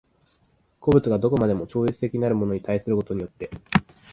個物が何処までも超越的なるものに対することによって